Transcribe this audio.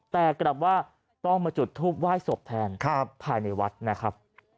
แต่กลับว่าต้องมาจุดทูปไหว้ศพแทนภายในวัดนะครับ